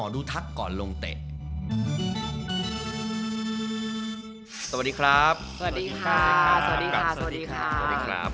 สวัสดีครับ